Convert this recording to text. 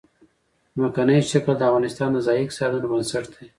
ځمکنی شکل د افغانستان د ځایي اقتصادونو بنسټ دی.